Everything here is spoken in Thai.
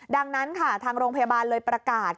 ดังนั้นค่ะทางโรงพยาบาลเลยประกาศ